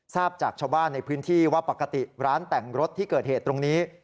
ทราบจากชาวบ้านในพื้นที่ว่าปกติร้านแต่งรถที่เกิดเหตุตรงนี้